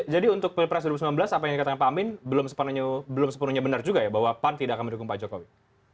jadi untuk ppras dua ribu sembilan belas apa yang dikatakan pak amin belum sepenuhnya benar juga ya bahwa pan tidak akan mendukung pak jokowi